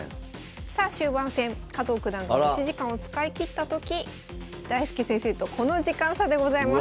さあ終盤戦加藤九段が持ち時間を使い切った時大介先生とこの時間差でございます。